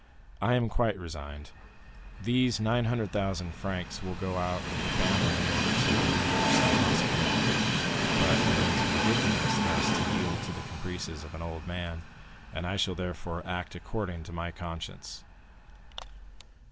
I am quite resigned. These 900,000 francs will go out of the family in order to enrich some hospital; but it is ridiculous thus to yield to the caprices of an old man, and I shall, therefore, act according to my conscience."